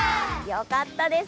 よかったです。